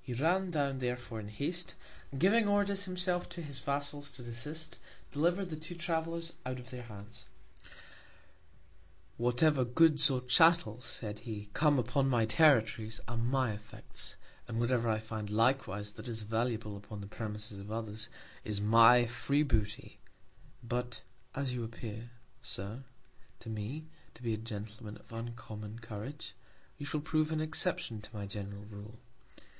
He ran down therefore in Haste, and giving Orders himself to his Vassals to desist, deliver'd the two Travellers out of their Hands. Whatever Goods or Chattels, said he, come upon my Territories, are my Effects; and whatever I find likewise that is valuable upon the Premises of others, is my free Booty; but, as you appear, Sir, to me to be a Gentleman of uncommon Courage, you shall prove an Exception to my general Rule.